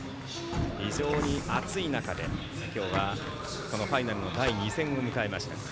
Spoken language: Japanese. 非常に暑い中できょうはこのファイナルの第２戦を迎えました。